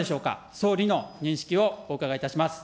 総理の認識をお伺いいたします。